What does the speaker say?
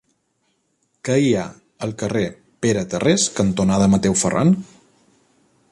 Què hi ha al carrer Pere Tarrés cantonada Mateu Ferran?